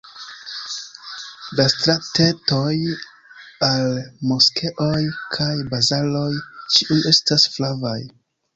La stratetoj al moskeoj kaj bazaroj ĉiuj estas flavaj.